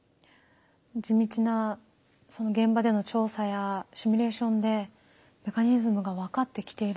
地道なその現場での調査やシミュレーションでメカニズムが分かってきているんですね。